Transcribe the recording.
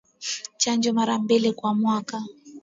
Chanjo mara mbili kwa mwaka